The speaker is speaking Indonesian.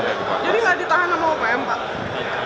jadi nggak ditahan sama opm pak